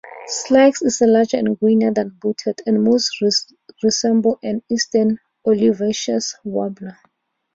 Sykes's is larger and greyer than booted, and most resembles an eastern olivaceous warbler.